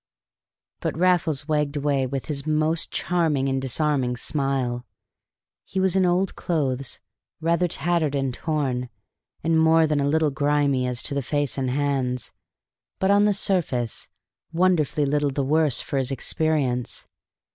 But Raffles wagged away with his most charming and disarming smile; he was in old clothes, rather tattered and torn, and more than a little grimy as to the face and hands, but, on the surface, wonderfully little the worse for his experience.